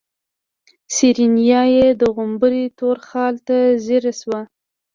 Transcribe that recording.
سېرېنا يې د غومبري تور خال ته ځير شوه.